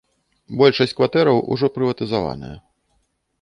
Большасць кватэраў ужо прыватызаваная.